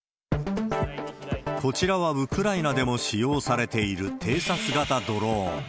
こちらは、ウクライナでも使用されている偵察型ドローン。